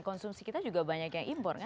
konsumsi kita juga banyak yang impor kan